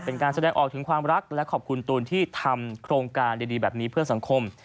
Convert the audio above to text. เป็นการแสดงออกถึงความรักและขอบคุณตูนที่ทำโครงการดีแบบนี้เพื่อสังคม